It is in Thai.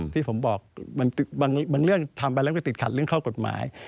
ที่ผมบอกบางเรื่องทำไปแล้วก็ติดขัดเรื่องข้อกฎหมาย